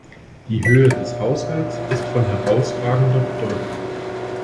Die Höhe des Haushalts ist von herausragender Bedeutung.